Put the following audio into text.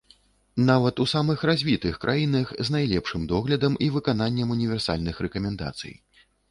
Нават у самых развітых краінах, з найлепшым доглядам і выкананнем універсальных рэкамендацый.